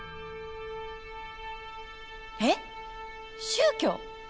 えっ宗教？